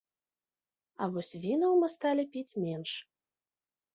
А вось вінаў мы сталі піць менш.